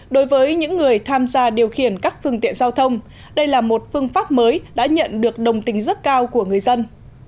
đối với những người tham gia điều khiển các phương tiện giao thông đây là một phương pháp mới đã nhận được đồng tính rất cao của người dân